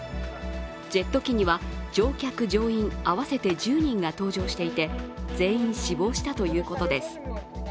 ジェット機には、乗客乗員合わせて１０人が搭乗していて、全員死亡したということです。